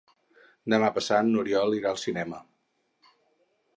Demà passat n'Oriol irà al cinema.